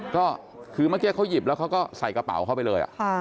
ก็คือเมื่อกี้เขาหยิบแล้วเขาก็ใส่กระเป๋าเข้าไปเลย